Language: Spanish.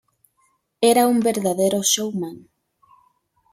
Era un verdadero showman".